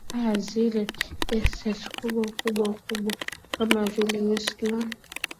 aa zile estate kubwa kubwa kubwa kama vile westland